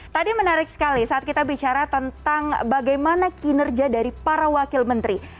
tadi menarik sekali saat kita bicara tentang bagaimana kinerja dari para wakil menteri